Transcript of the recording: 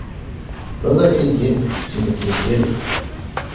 No da quien tiene, sino quien quiere.